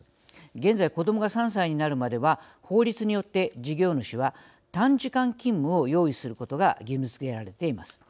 現在、子どもが３歳になるまでは法律によって事業主は短時間勤務を用意することが義務づけられています。